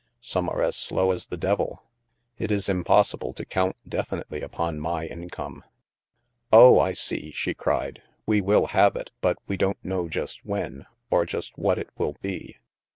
Some are as slow as the devil. It is impossible to count definitely upon my income." '' Oh, I see," she cried. " We will have it, but we don't know just when, or just what it will be.